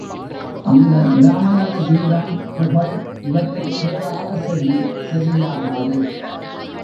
அந்த இராமனது வீரம், புகழ் இவற்றைக் கேளாத செவி செவியாகாது.